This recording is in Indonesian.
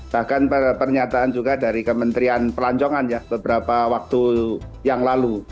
bahkan pernyataan juga dari kementerian pelancongan ya beberapa waktu yang lalu